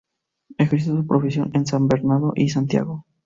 Ejerció su profesión en San Bernardo y en Santiago.